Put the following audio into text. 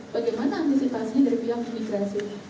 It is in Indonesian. bagaimana antisipasinya dari pihak imigrasi terima kasih